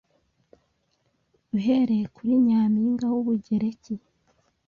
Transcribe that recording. uhereye kuri Nyampinga w'Ubugereki